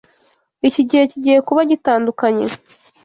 Iki gihe kigiye kuba gitandukanye.